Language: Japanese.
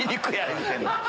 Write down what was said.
言うてんの。